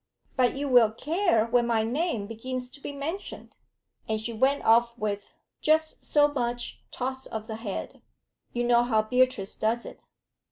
"But you will care when my name begins to be mentioned." And she went off with just so much toss of the head; you know how Beatrice does it.